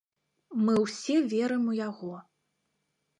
Мы ўсе верым у яго.